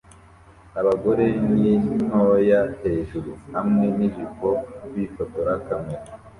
Abagore ni ntoya hejuru hamwe nijipo bifotora kamera